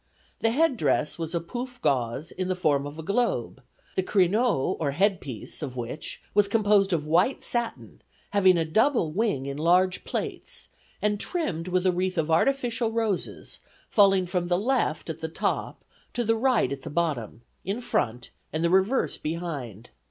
The head dress was a pouf of gauze, in the form of a globe, the creneaux or headpiece of which was composed of white satin, having a double wing in large plaits, and trimmed with a wreath of artificial roses, falling from the left at the top to the right at the bottom, in front, and the reverse behind.